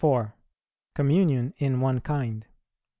_Communion in one kind.